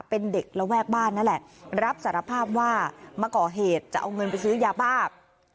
เป็นเด็กระแวกบ้านนั่นแหละรับสารภาพว่ามาก่อเหตุจะเอาเงินไปซื้อยาบ้า